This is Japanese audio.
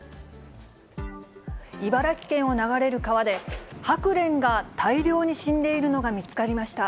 茨城県を流れる川でハクレンが大量に死んでいるのが見つかりました。